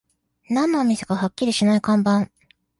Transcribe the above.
何のお店かはっきりしない看板